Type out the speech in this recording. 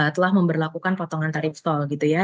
telah memperlakukan potongan tarif tol gitu ya